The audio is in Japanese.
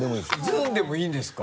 「ずん」でもいいんですか？